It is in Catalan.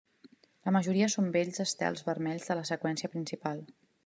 La majoria són vells estels vermells de la seqüència principal.